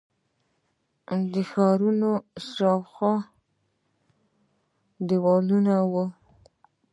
د ښارونو شاوخوا دیوالونه وو